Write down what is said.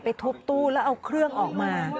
ทุบตู้แล้วเอาเครื่องออกมา